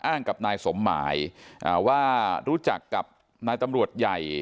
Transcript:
อ้างกับนายสมหมายว่ารู้จักกับนายตำรวจใหญ่